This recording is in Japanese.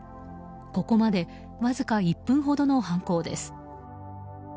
ここまでわずか１分ほどの犯行です。